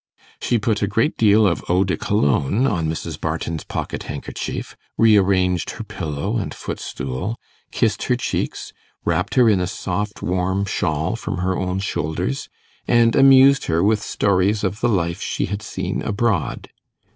She put a great deal of eau de Cologne on Mrs. Barton's pocket handkerchief, rearranged her pillow and footstool, kissed her cheeks, wrapped her in a soft warm shawl from her own shoulders, and amused her with stories of the life she had seen abroad.